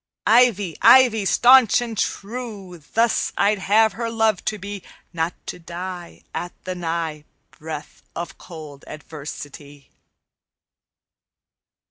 Ivy! Ivy! Stanch and true! Thus I'd have her love to be: Not to die At the nigh Breath of cold adversity_."